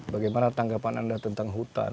bagaimana tanggapan anda tentang hutan